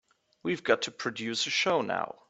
We've got to produce a show now.